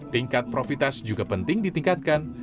tingkat profitas juga penting ditingkatkan